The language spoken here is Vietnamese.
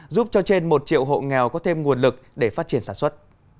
giúp cho trên một triệu hộ nghèo có thêm nguồn lực để phát triển sản xuất